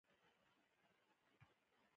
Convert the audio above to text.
پخوانو عصمت نفي کړو.